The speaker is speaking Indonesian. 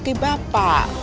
mungkin ini bukan rezeki bapak